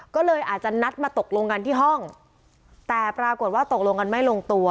ก็เลยอาจจะนัดมาตกลงกันที่ห้องแต่ปรากฏว่าตกลงกันไม่ลงตัว